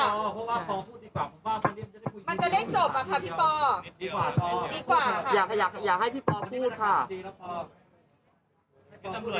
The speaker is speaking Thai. ดีกว่าค่ะอยากอยากอยากให้พี่พอพูดค่ะ